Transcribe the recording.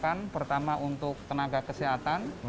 kedua kita berikan pelayanan untuk tenaga kesehatan